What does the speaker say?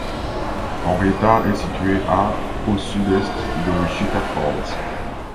Henrietta est située à au sud-est de Wichita Falls.